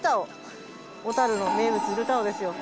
小樽の名物ルタオですよ。